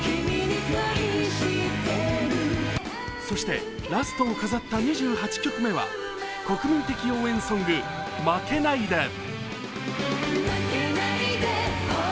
そしてラストを飾った２８曲目は国民的応援ソング「負けないで」。